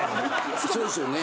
そうですよね。